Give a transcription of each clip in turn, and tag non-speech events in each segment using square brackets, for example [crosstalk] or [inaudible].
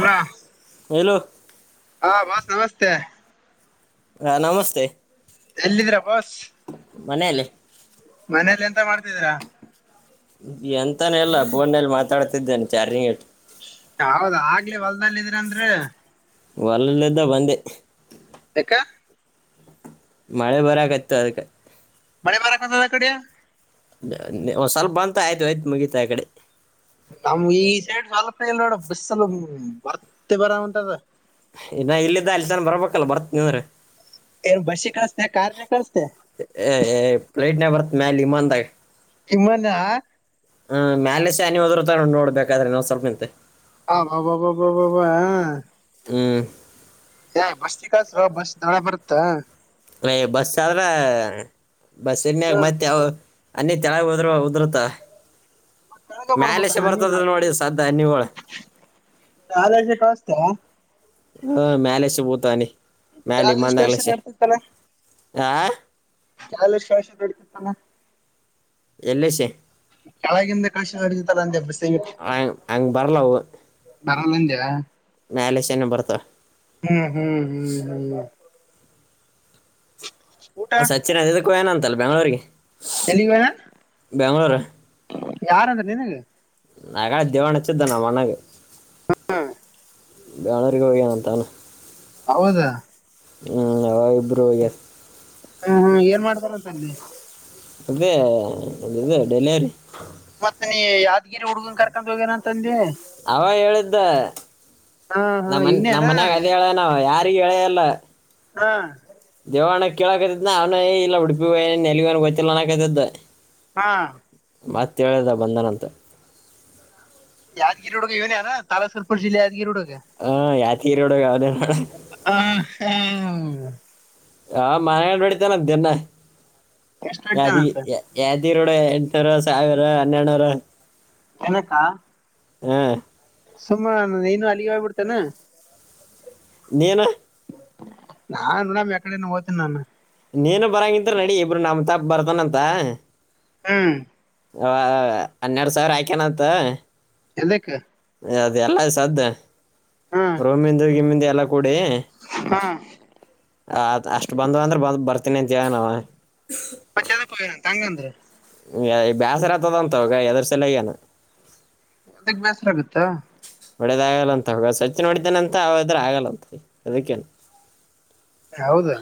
Hello hello ಹಾ ಬಸ್ ನಮಸ್ತೆ ಹಾ ನಮಸ್ತೆ ಎಲ್ಲಿದ್ದಿರಾ ಬಾಸ್ ಮನೇೆಯಲ್ಲಿ ಮನೇೆಯಲ್ಲಿ ಎಂತ ಮಾಡ್ತಿದೀರಾ ಎಂತಾನೆಲ್ಲ ಫೋನ್ ನಾಗ ಮಾತಾಡ್ತಿದ್ದೇನೆ ಚಾರ್ಜಿಂಗ್ ಇಟ್ಟು ಹೌದ ಆಗ್ಲಿ ಹೊಲ್ದಲ್ಲಿದ್ರಂದ್ರೆ ಹೊಲ್ದಿಂದ ಬಂದೆ ಯಕ್ಕ ಮಳೆ ಬರಕಾಯತ್ತು ಅದಕ್ಕೆ ಮಳೆ ಬರಕಂತದ ಆ ಕಡೆ [inaudible] ಸ್ವಲ್ಪ ಬಂತ ಆಯ್ತು ಆಯ್ತು ಮುಗೀತ ಈ ಕಡೆ ನಮ ಈ ಸೈಡ್ ಸ್ವಲ್ಪಲ್ ನೋಡ ಬಿಸ್ಸಲ್ಲ ಬರ್ತ್ತ ಬರವಂತದ ಇನ್ನ ಇಲ್ಲಿದ್ದ ಅಲ್ಲಿ ತಾನ ಬರ್ಬೇಕಲ್ಲ ಬರ್ತೀನಿಂದ್ರ ಏನ್ ಬಸ್ಸಿ ಕಳಸ್ತೆ ಕಾರ್ನೆ ಕಳಸ್ತೆ ಏ ಫ್ಲೈಟ್ನಾಗ್ ಬರ್ತ್ ಮ್ಯಾಲಿ ವಿಮಾನದಾಗ ವಿಮ್ಮನ್ ಹ್ಮ್ ಮ್ಯಾಲ ಶಾನಿ ಹದ್ರ್ತ ನೋಡ್ಬೇಕಾದ್ರೆ ನಾವ್ ಸ್ವಲ್ಪ ನಿಂತಂತೆ ಹಬ ಬಬ ಹ ಹ್ಮ ಏ ಬಸ್ತಿ ಕಳ್ಸೋ ಬಸ್ ಒಳಗ ಬರುತ್ತಾ ಅ ಬಸ್ ಆದ ಆದ್ರ ಬಸ್ ಇನ್ಯಾಗ ಮತ್ತೆ ಅನ್ನಿ ತಳಗ ಉದರು ಉದ್ರತ ಕೆಳಗ ಮ್ಯಾಲಸ ಬರ್ಬೇಕಲ್ಲ ಬರ್ತದ ನೋಡಿ ಸದ ನೀವಳ ಕಾಲೇಜಿಗೆ ಕಳಿಸ್ತಾ ಹ ಮ್ಯಲೆ ಸುಭೂತ ನೀ ಮ್ಯಲೆ ಕಾಲೇಜ್ ವಿಮಾನ ಕಳ್ಸ [unintelligible] ಚಾಲ ಶವಷ ಹಡ್ಕತ್ [unintelligible] [inaudible] ಎಲ್ಲಿ ಕೆಳಗಿಂದ ಕಳಸಿ ನಡಿದತ್ತಲ್ಲ ಅಂದೆ ಬಸ್ಸಿಗೆ ಹ ಹಂಗ ಬರ್ಲವು ಬರಲ್ಲಂದ ಮ್ಯಾಲಸನ ಬರ್ತಾವ ಹ್ಮ್ ಹ್ಮ್ ಹ್ಮ್ ಹ್ಮ್ ಊಟ ಸಚ್ಚಿನ್ ಅದ ಕಯನ ಅಂತಲ್ಲ ಬ್ಯಾಂಗಲೋರ್ ಗೆ ಎಲ್ಲಿಗಣ ಬೆಂಗಳೂರು ಯಾರಂದ್ರೆ ನಿನಗೆ ನಕ ದೇವಣಚ್ಚಿದ್ದ ನಮಣ್ಣಗೆ ಹ್ಮ ಬೆಂಗಳೂರಿಗೆ ಹೋಗನ್ ಅಂತಾನ ಹೌದಾ ಹ್ಮ್ ಇಬ್ಬರು ಹೋಗ್ಯಾರ ಹ್ಮ ಏನ್ ಮಾಡ್ತಾರಂತ ಅಲ್ಲಿ ಅದೇ ಅ ಇದು ಡೆಲಿವರಿ ಮತ್ ನೀ ಯಾದ್ಗಿರಿ ಹುಡ್ಗನ್ ಕರ್ಕೊಂಡ್ ಹೋಗೇನ ಅಂತ ಅಂದವಿ ಅವಾವ ಹೇಳಿದ್ದ ಹಾ ಹಾ ನಮ್ಮನ್ ನಮ್ಮ ಇವ್ನೇನ ಮನ್ಯಾಗ ಅದ ಹೇಳ ನಾವ ಯಾರ ರಿ ಹೇಳೇ ಇಲ್ಲ ಹಾ ದೇವಣ ಕೇಳಕತದ ನ ಅವ್ನ ಇಲ್ಲ ಉಡುಪಿಗೆ ಹೋಗ್ಯಾನ ಎಲ್ಲಿಗ್ ಹೋಗ್ಯಾನ ಗೊತ್ತಿಲ್ಲ ಅನಕತದ ಹಾ ಮತ್ ಹೇಳಿದ ಬಂದನಂತ ಯಾದಗಿರಿ ಹುಡುಗ ಇವನ ಅನಾ ತಾಲಾಸಕಲ್ಪು ಜಿಲ್ಲ ಯಾದಗಿರಿ [unintelligible] ಹಾ ಯಾದಗಿರಿ ರೋಡ್ ಯಾವ್ದೇ ಮಾಡ ಹಾ ಹಾ ಹಾ ಮನೆಗಂಡ ಬಡಿತಾನಂತನ ದಿನ್ನೇ ಎಷ್ಟ ಯಾದಿ ಇಡ್ತೇನಂತ ಯಾದಿರೋಡೆ ಎಂಟನೂರು ಸಾವಿರ ಹನ್ನೆರಡುನೂರು ಎನಕ್ಕಾ ಹ್ಮ ಸುಮ್ಮ ನೀನು ಅಲ್ಲಿಗೆ ಹೋಗ್ಬಿಡ್ತೇನ್ ನೀನು ನಾನ್ ಅಂದ್ರ ಮೇಕಡೆ ಹೋತೀನ ನಾನು ನೀನು ಬರಂಗಿದ್ರೆ ರೆಡಿ ಇಬ್ರು ನಮ್ ತಾಪ್ ಬರ್ತಾನಂತ ಹ್ಮ್ ಹಾ ಹಾ ಹನ್ನೆರಡು ಸಾವಿರ ಹಾಕಿನಂತ. ಎದಕ್ ಅದೆ ಎಲ್ಲ ಸದ್ ಹ್ಮ್ ರೋಮಿಂದ ಗಿಮಿಂದು ಎಲ್ಲ ಕೂಡಿ ಹಾ ಆ ಅಷ್ಟು ಬಂದ್ ಅಂದ್ರೆ ಬಂದ ಬರ್ತೀನಿ ಅಂತ ಹೇಳ್ನ ಅವ ಮತ್ತ ಏನಕ್ಕೆ [unintelligible] ತಂಗಂದ್ರು ಏಯ್ ಬ್ಯಾಸರಾಗ್ತದಂತವಾಗ [unintelligible] ಅದಕ್ ಬ್ಯಾಸರ ಆಗುತ್ತಾ ಒಡೇದ ಆಗಲ್ಲಂತ ಸಚಿನ್ ಹೊಡಿತನಂತ ಅವದ್ರ ಆಗಲ್ಲಂತ ಅದಕ್ಕೇನೆ ಹೌದಾ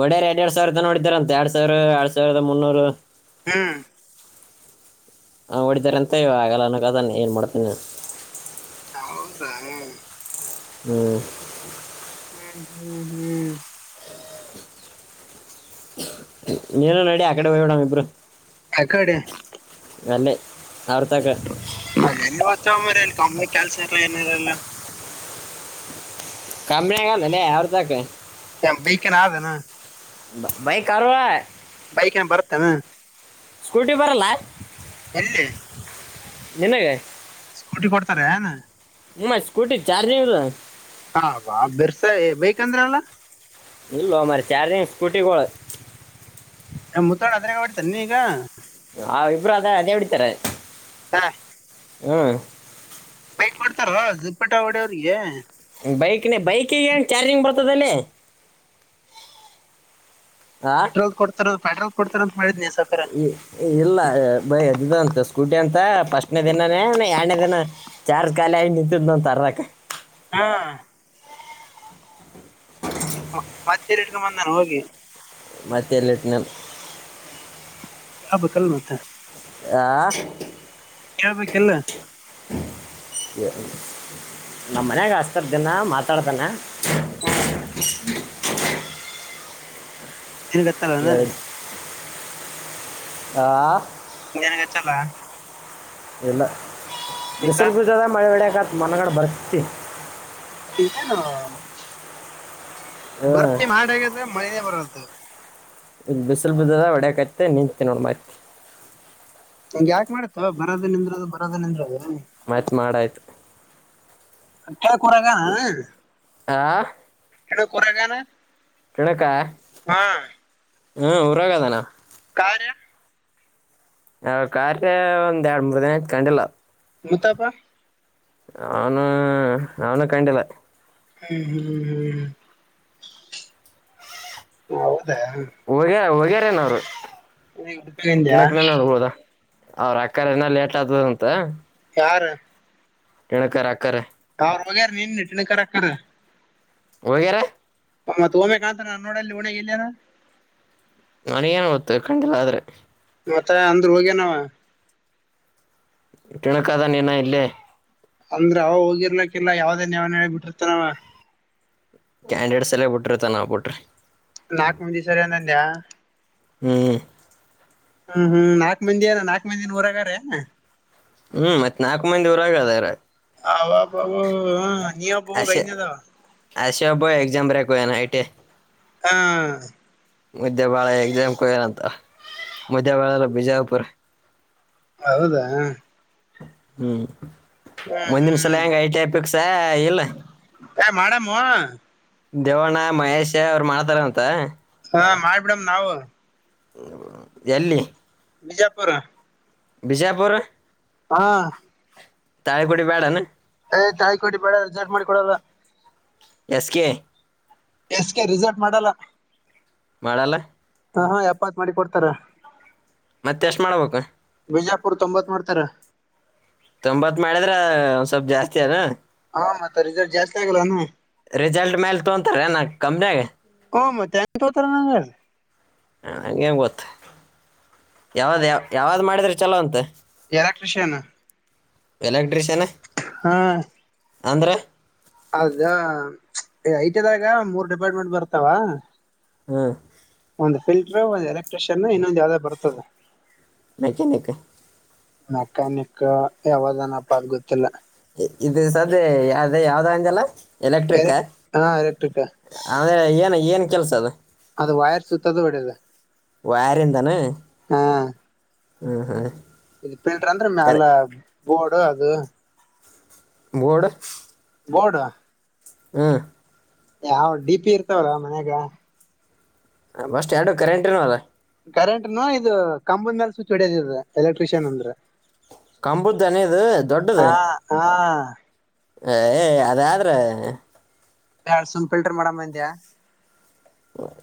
ಒಡೆಯರ್ ಎರಡ್ ಎರಡ್ ಸಾವಿರದ ನೋಡಿದಾರ ಅಂತ ಎರಡ್ ಸಾವಿರ ಎರಡ್ ಸಾವಿರದ ಮುನ್ನೂರು ಹ್ಮ್ ಹಾ ಹೊಡಿದಾರೆ ಅಂತ ಇ ಆಗಲ್ಲ ಅನಗದಾನ ಏನ್ ಮಾಡ್ತೇನಿ ಹೌದಾ ಹ್ಮ್ ಹ್ಮ್ ಹ್ಮ್ ಹ್ಮ್ ನೀನ ನಡಿ ಆ ಕಡೆ ಹೋಗಡಂಗ ಇಬ್ರು ಯಕಡೆ ಅಲ್ಲೇ ಅವ್ರ ತಕ ಎಲ್ಲ ಒಚ್ಚರ ಕಮ್ಮಿ ಕಲ್ಸರಲ್ಲನಿರಲ್ಲ ಕಮ್ಮಿ ಆಗಲ್ಲ ಅಲ್ಲೇ ಅವ್ರದಕೆ ಬೈಕನಾ ಅದೇನಾ ಬೈ ಬೈಕ್ ಕಾರೆ ಬೈಕೆನ್ ಬರ್ತ್ತಾನ ಸ್ಕೂಟಿ ಬರಲ್ಲ [unintelligible] ನಿನಗೆ ಸ್ಕೂಟಿ ಕೊಡ್ತಾರೆ ಏನ್ ನಿಮ್ಮ ಸ್ಕೂಟಿ ಚಾರ್ಜಿಂಗ್ ಇಲ್ಲ ಹ ಬಾ ಬೆರ್ಸ ಬೇಕಂದ್ರ ಅಲ್ಲ ಇಲ್ಲೋ ಮ್ರ ಚಾರ್ಜಿಂಗ್ ಸ್ಕೂಟಿ ಗೊಳ್ ತನ್ನಿಗ ಹಾ ಇಬ್ರಗ ಅದೇ ಒಡೀತಾರೆ ಹಾ ಹ್ಮ್ ಬೈಕ್ ಕೊಡ್ತರೋ ಜಿಪ್ಪಟ ಒಡಿ ಅವ್ರಿಗೆ ಬೈಕ್ನೆ ಬೈಕಿಗೆ ನ್ ಚಾರ್ಜಿಂಗ್ ಬರ್ತದಲೆ ಪೆಟ್ರೋಲ್ ಕೊಡ್ತಾರ ಪೆಟ್ರೋಲ್ ಕೊಡ್ತಾರ ಮಾಡಿದ್ನಿ ಸಾವಕಾರ ಇಲ್ಲ ಬಯ ಇದ್ ಅಂತೆ ಸ್ಕಡ್ ಅಂತ ಫಸ್ಟ್ನೇ ದಿನಾನೇ ಎರಡನೇ ದಿನ ಚಾರ್ಜ್ ಕಾಲಿ ಆಗ ನಿಂತಿದ್ನಂತ ಅರಕ್ಕ ಹಾ [inaudible] ಮತ್ತೆಲ್ಲಿ ಇಟ್ಕೊಂಡ ಬಂದಾನು ಹೋಗಿ ಮತ್ತೆಲ್ಲಿಟನ ಅಬ್ ಕಲ್ ಮತ್ತ ಆ ಕೇಳ್ಬೇಕಿಲ್ಲ ನಮ್ಮ ಮನ್ಯಾಗ ಹಸ್ತರ್್ದಿನ ಮಾತಾಡ್ತೇಾನ ಹ್ಮ್ ತಿಿನ ಕತ್ತಲ್ಲ ಹೇಳಿ ಆ ನನ್ಗೆಚ್ಚಲ್ಲ ಇಲ್ಲ ಈಗ ಬಿಸಲುಗಜದ ಮಳೆ ಬೆಳಕತ್ ಮನಗಡೆ ಬರ್ತತಿ ನ ಬರ್ತ ಹ್ಞೂ ಮಾಡಗಿದ್ರೆ ಮಳನೇ ಬರದು ಇ ಬಿಸಿಲ್ ಬಿದದ ಒಡಕೈತೆ ನಿಂತ ನೋಡ ಮತಿ ಹಂಗ್ ಯಾಕಕ್ ಮಾಡತ ಬರದದು ನಿಂದ್ರದದು ಬರದದು ನಿಂದ್ರದು ಮತ್ ಮಾಡಾಯ್ತು ಅ ಕೆ ಕೊರಗ ಹ ಆ ಎನ ಕೊರಗಾನ ಕೆಳಕ ಹ್ಮ ಊರಾಗದಾನ ಕಾರಾರ ಹ ಕಾರ ಒಂದ್ ಎರಡ್ ಮೂರ್ ದಿನ ಇತ್ಕೊಂಡಿಲ್ಲ ಉತಪ ಅವನು ಅವನು ಕಂಡಿಲ್ಲ ಹ್ಮ್ ಹ್ಮ್ ಹ್ಮ್ ಹೌದಾ ನ ನೀ ಉಡುಂದಯಾ ಅವ್ರ ಅಕ್ಕರ ಏನ ಲೇಟ್ ಆದದಂತ ಚಾರ್ ಕೆಣಕರ ಆಕ್ಕ ಟಾವ ವಗ ನೀ ನಟನೆ ಕರ ಕರ ವೇರ ಅಮ್ಮ ತೋಮೆ ಕಾಣಂತ ನಾನ್ ನೋಡಲ್ಲಿ ಣಗ ಇಲ್ಲೇನ ನನಗಏನ್ ಗತ್ತು ಕಖಂಡಿಲ್ಲ ಆದ್ರೆ ಮತ್ತೆ ಅಂದ್ರು ಹೋಗೇನವ ತಿಣಕದ ನೀನ ಇಲ್ಲೇ ಅಂದ್ರ ಅವ ಹೋಗಿರ್ಲಕ್ಕಿಲ್ಲ ಯಾವ್ದೇ ನವ ನಳ ಬಿಟ್ಟಿರ್ತನವ ಕ್ಯಾಂಡಿಡೇಟ್ಸ್ ಎಲ್ಲೇ ಬಿಟ್ರಿ ತ ನವು ಬಿಟ್ರಿ ನಾಲ್ಕು ಮಂದ ದಿವಸವರೆನಂದಯ ಹ್ಮ್ ಹ್ಮ ಹ್ಮ್ ನಾಕಕ್ ಮಂದಿಏನ ನಾಕಕ್ ಮಂದಿಿನ ಊರಗಾರ ಹ್ಮ್ ಮತ್ ನಾಲ್ಕು ಮಂದಿ ಊರ ಆಗದಾರ ಹಬ ಹ ನೀಬ ಕೈ ನದಾವ ಆಸ ಹ ಬ ಎಕ್ಾಮ ಬ್ರ್ಯಾ ಕನ ಟೆ ಹಾ ಮಧ್ಯ್ಯಾ ಬಾಳ ಎಕ್ಸಾಮ್ ಕೊಯಾರ ಅಂತ ಮಧ್ಯ್ಯಾ ಬಾಳ ಎಲ್ಲ ಬಿಜಾಪುರ ಹೌದಾ ಹ್ಮ್ ಹ್ಮ್ ಒಂದಿನಸಲ ಹ್ಮ್ ಹೆಂಗ ಐಟಿಪಿಕ್ಸ ಇಲ್ಲ ಏ ಮಾಡಮ್ಮು ಹಾ ದೇವಣ್ಣ ಮಹೇಶ ಅವ್ರು ಮಾಡ್ತಾರ ಅಂತ ಹ ಮಾಡ್ಬಿಡಮ ನಾವು ಹ್ಮ ಎಲ್ಲಿಿ ಬಿಜಾಪುರ ಬಿಜಯಪುರ್ ಹಾ ತಾಯ್ ಕುುಡಿ ಬ್ಯಾಡಾನ್ ಏ ತಾಳಿಕೋಟಿ ಬೇಡ ಅರ್ಜೆಂಟ್ ಮಾಡಿ ಕೊಡಲ್ಲ. ಎಸ್ಕೆ ಎಸ್ ಕೆ ರಿಸರ್ಟ್ ಮಾಡಲ್ಲ. ಮಾಡಲ್ಲ ಹ ಹಾ ಎಪ್ಪತ್ ಮಾಡಿ ಕೊಡ್ತಾರ. ಮತ್ ಎಷ್ಟ್ ಮಾಡ್ಬೇಕು ಬಿಜಾಪುರ್ ತೊಂಬತ್ ಮಾಡ್ತಾರ. ತೊಂಬತ್ ಮಾಡಿದ್ರೆ ಸ್ವಲ್ಪ್ ಜಾಸ್ತಿ ಅದ. ಹಾ ಮತ್ತ ರಿಸಲ್ಟ್ ಜಾಸ್ತಿ ಆಗಲೆನ ರಿಸಲ್ಟ್ ಮೇಲ್ ತೊಂತಾರನ ಮ ಕಂಪ್ನಿಗೆ. ಹು ಮತ್ತೆ ಎಂಗ್ ತಗೊತರಣದು. ಹ ಹ ಹೆಂಗ ಗೊತ್ ಯಾವ್ದ್ ಯಾವ ಯಾವಾದ್ ಮಾಡಿದ್ರೆ ಚಲೋ ಅಂತೆ ಎಲೆಕ್ಟ್ರಿಷ್ಯನ್. ಎಲೆಕ್ಟ್ರಿಷಿಯನ್ ಹಾ ಅಂದ್ರೆ ಅದ ಐಟಿದಾಗೆ ಮೂರ್ ಡಿಪಾರ್ಟ್ಮೆಂಟ್ ಬರ್ತಾವ. ಹ್ಮ ಒಂದು ಫಿಲ್ಟ್ರು ಒಂದ್ ಎಲೆಕ್ಟ್ರಿಷಿಯನ್ ಇನ್ನೊಂದು ಯಾವ್ದೊ ಬರ್ತದೆ. ಮ್ಯಾಕನಿಕ್ಕ ಮೆಕ್ಯಾನಿಕ್ ಯಾವ್ದನಪ ಅದು ಗೊತ್ತಿಲ್ಲ. ಇದು ಸದ ಅದೇ ಯಾವ್ದ ಅಂಗಲ್ಲ ಎಲೆಕ್ಟ್ರಿಕ ಎಲೆಕ್ ಹಾ - ಎಲೆಕ್ಟ್ರಿಕ್ - ಅದೆ ಏನ್ ಏನ್ ಕೆಲ್ಸ ಅದು. ಅದು ವೈರ್ ಸುುತ್ತದ [unintelligible] ವೈರಿಂದೇನಾ ಹಾ ಹ್ಮ ಹ್ಮ ಇದು ಫಿಲ್ಟರ್ ಅಂದ್ರೆ ಮೆಲ ಬೋರ್ಡ್ ಅದು. ಬೋಡ ಬೊಡ್ ಹ್ಮ ಯಾವ್ ಡಿ ಪಿ ಇರ್ತಾವಲ್ಲ ಮನ್ಯಾಗ. ಬಸ್ಟ್ ಎರಡು ಕರೆಂಟ್ ನು ಅದ. ಕರೆಂಟ್ನು ಇದು ಕಂಬಲ್ ಮೇಲೆ ಸುಚ್ ಹೊಡ್ಯದಿದ್ರ ಎಲೆಕ್ಟ್ರಿಷಿಯನ್ ಅಂದ್ರ. ಕಂಬುದೆನಾ ಇದು ದೊಡ್ದ್ ಹಾ ಏ ಅದ್ ಆದ್ರೆ ಎಳ್ ಸುಮ್ ಫಿಲ್ಟರ್ ಮಾಡ ಮಂದ್ಯಾ.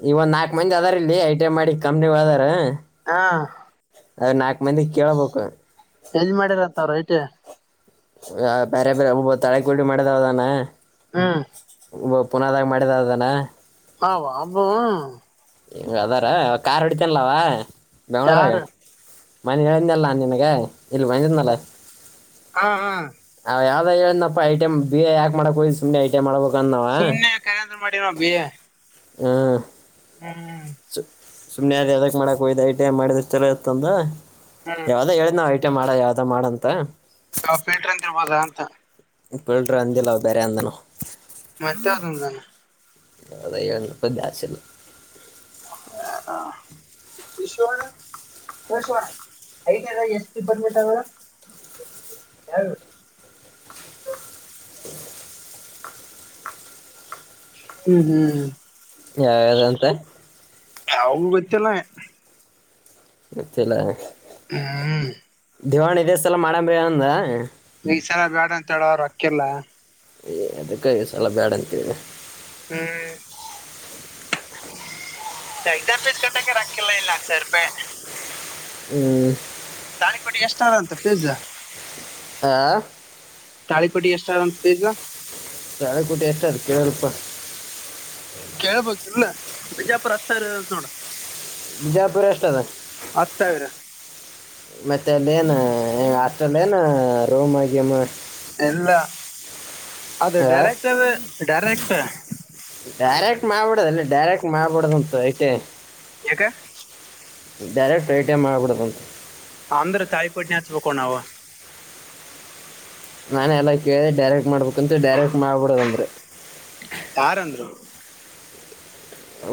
ಇವ್ಂದ್ ನಾಲ್ಕು ಮಂದಿ ಅದಾರ್ ಇಲ್ಲಿ ಐ ಟಿ ಐ ಮಾಡಿ ಕಂಪ್ನಿಗಳು ಅದಾರ. ಹಾ ಅದೇ ನಾಕ್ ಮಂದಿ ಕೇೇಳಬೇಕು. ಎಲ್ ಮಾಡಿರಂತ್ರ ಅವ್ರ್ ಐಟಿಐ. ಬೇರೆ ಬೇರೆ ಒಬ್ಬ ತಳೆ ಗುಂಡಿ ಮಾಡಿದ ನದಾನ. ಹ್ಮ ಪುನಾದಾಗ ಮಾಡಿದನ್ ಅದಾನ. ಹ ಅಬ್ಬೊ ಅದಾರ ಕಾರ್ ಅಡಿತನಲವಾ ಬೆಂಗ್ಳೂರಿಗೆ. ಯಾರು ಮನೆ ಹೇಳದ್ನಲ್ಲ ನಿನಗೆ ಇಲ್ ಬಂದಿದ್ನಲ್ಲ. ಹಾ ಹಾ ಯಾವ್ದ್ ಹೇಳನಪ್ಪ ಐಟಮ್ ಬಿ ಎ ಎಕ್ ಮಾಡಕ್ ಹೋಯ್ತಿ ಸುಮ್ನೆ. ಮಾಡ್ಬೇಕಂದಾವ ಸುಮ್ನೆ ಕರೆಂದ್ರ ಮಾಡಿನೋ ಹಾ [unintelligible] ಹ್ಮ ಸುಮ್ನೆಾಗ ಯಾವದಕ್ ಮಾಡಕ್ೋಯ್ದ ಐಟ ಮಾಡಿದ್ರ ಚಲೋ ಇತ್ತ ಅಂದ ಹ್ಮ್ ಯಾವದ ಹೇಳ್ ನಾವವು ಬಟೆ ಮಾಡ ಯಾವ್ದ ಮಾಡ ಅಂತ ಕಫಿಲ್ಟ್ರ ಅಂತಿರ್ಬದ ಅಂತ ಇ ಬಿಲ್ಡ್ರ ಅಂದಿಲ್ಲ ಅವ ಬೇರೆ ಅಂದನು ಮತ್ತೆ ಅದುಂತಾನ ಹ ಅದಣ್ಣ [unintelligible] ಇ ದಾಾಸಲ್ಲ ಹ ಹ [unintelligible] ಹಿಸೋಣ ಹಿಸೋಣ ಐತದ ಎಷ್ಟ ಬಂದಬಟ ಅವ್ರ [unintelligible] ಯಾರ [inaudible] [unintelligible] ಹ್ಮ್ ಹ್ಮ್ ಯದಂತ ಯಾವೂ ಗೊತ್ತಿಲ್ಲ ಗೊತ್ತಿಲ್ಲ ಹ್ಮ್ ದಿವವಾಣಿ ಇದೇ ಸಲ ಮಾಡಂಬೀ ಅಂದ ಈ ಸಲ ಬೇಡ ಅಂತ ಹೇಳ ಅವರು [unintelligible] ರೊಕ್ಕಿಲ್ಲ ಏ ಅದಕ್ಕೆ ಸಲ ಬ್ಯಾಡ [unintelligible] ಅಂತಂತಿದನ ಹ್ಮ ಎಕ್ಸಾಮ್ ಪೀಸ್ ಕಟ್ಟಕ ರ [unintelligible] ಇಲ್ಲಾಕ್ಸ ರಪೆ ಹ್ಮ್ [inaudible] ತಾನ ಕೊಟ್ಟ [unintelligible] ಎಷ್ಟಾರ ಅಂತ ಪಿಜಜ [unintelligible] ಆ ಹಿಕೋಟ್ಟಿಗೆ [unintelligible] ಎಷ್ಟು ರಂತ ಫೀಸು ತಾಳಿಕೋಟಿ ಎಷ್ಟ ಅದಕ್ಕೆೇಳ ಎಲ್ಪ ಕೇಳ್ಬೇಕಿಲ್ಲ ಬಿಜಾಪು ಹತ್ ಸರ್ ನೋಡ ಬಿಜಾಪುರ ಅಷ್ಟದ ಹತ್ ಸಾವಿರ ಮತ್ತೆ ಅಲ್ಲಿ ಏನು ಹೆಗೆ ಹಸ್ಟೆಲ್ ಏನು ರೂಮ್ ಆಗ್ಯಮ್ಮ ಎಲ್ಲ ಅದು ಡೈರೆಕ್ಟ ಅ ಡರೆಕ್ಟ್ ಡೈರೆಕ್ಟ್ ಮಾಡ್ಬಡುದ ಅಲ್ಲಿ ಡೈರೆಕ್ಟ್ ಮಾಡಬಿಡದುಂತು ಐತೆ ಯಾಕೆ ಡೈರೆಕ್ಟ್ ಐ ಟಿ್ ಮಾಡ್ಬಿಡುತ್ತಂತ ಅಂದ್ರೆ ತಾಯಿಪೋಟ್ಟನ ಹಾಚ್ಬೇಕು ನಾವವು ನಾನು ಎಲ್ಲ ಕೇಳಿದೆ ಡೈರೆಕ್ಟ್ ಮಾಡ್ಬೇಕಂತ ಡೈರೆಕ್ಟ್ ಮಾಡ್ಬಿಡೋದಂದ್ರೆ ಯಾರಂದ್ರು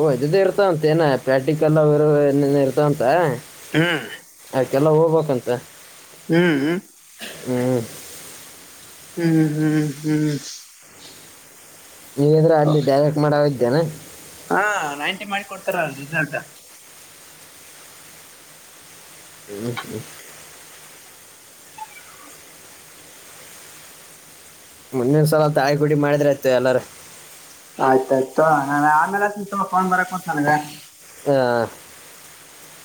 ಓ ಇದದುದೇ ಇರ್ತಾ ಉಂತೇನ ಪ್ಯಾಟಿ ಅಕ್ಕೆಲ್ಲರ ಇರ್ತಂತ ಹ್ಮ್ ಆಕಲ್ಲ ಹೋಗ್ಬೇಕಂತ ಹ್ಮ್ ಹ್ಮ್ ಹ್ಮ್ ಹ್ಮ್ ಹ್ಮ್ ಹ್ಮ್ ನೀವಂದ್ರೆ ಹ್ಮ್ ಅಲ್ಲಿ ಡೈರೆಕ್ಟ್ ಮಾಡ ಇದ್ದೇನೆ ಹಾ ನೈಂಟಿ ಮಾಡಿ ಕೊಡ್ತಾರ ರಿಸಲ್ಟ್ ಹ್ಮ್ ಹ್ಮ್ ಮುಂದಿನ ಸಲ ತಾಳಿಕೋಟಿ ಮಾಡಿದ್ರ ಇತ ಎಲ್ಲಾರ ಆಯ್ತಾಯಯ್ತು ನಾನ ಆ್ಮೇಲೆ ಸ್ತ ಕೊಂಡ್ ಬರಕ್ ಕೊ ನನಗ ಹ [inaudible]